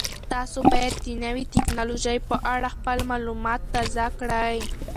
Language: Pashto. تاسو باید د نوې تکنالوژۍ په اړه خپل معلومات تازه کړئ.